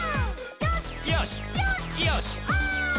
「よし！」